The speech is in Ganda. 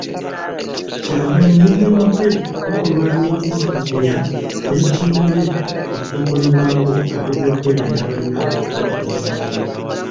Kyagulanyi yennyamidde ku bikolwa by'okumutulugunya ne ttiimu ye ebibakolebwako ab'ebyokwerinda abalina okubakuuma mu mateeka.